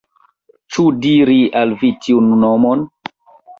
Ĉu diri al vi tiun nomon?